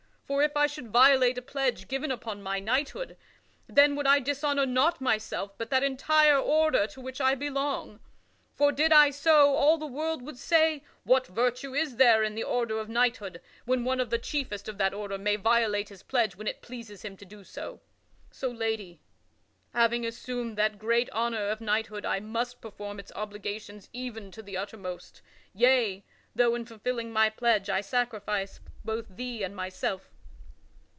For if I should violate a pledge given upon my knighthood, then would I dishonor not myself, but that entire order to which I belong. For, did I so, all the world would say, what virtue is there in the order of knighthood when one of the chiefest of that order may violate his pledge when it pleases him to do so? So, lady, having assumed that great honor of knighthood I must perform its obligations even to the uttermost; yea, though in fulfilling my pledge I sacrifice both Thee and myself."